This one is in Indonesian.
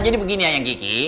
jadi begini ayang kiki